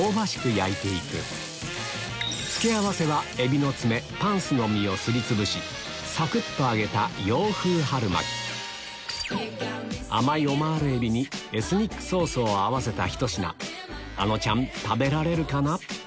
焼いていく付け合わせはサクっと揚げた洋風春巻き甘いオマール海老にエスニックソースを合わせたひと品あのちゃん食べられるかな？